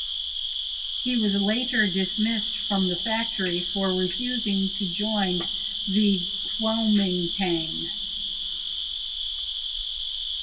He was later dismissed from the factory for refusing to join the Kuomintang.